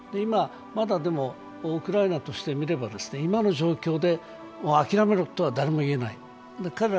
でも、ウクライナとして見れば、今の状況で諦めろとは誰も言えない。